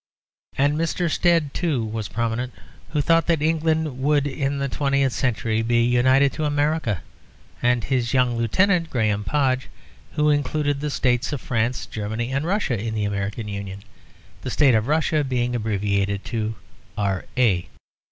And Mr. Stead, too, was prominent, who thought that England would in the twentieth century be united to America; and his young lieutenant, Graham Podge, who included the states of France, Germany, and Russia in the American Union, the State of Russia being abbreviated to Ra.